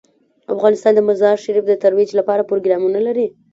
افغانستان د مزارشریف د ترویج لپاره پروګرامونه لري.